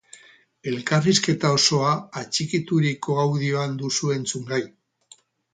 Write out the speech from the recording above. Elkarrizketa osoa atxikituriko audioan duzu entzungai!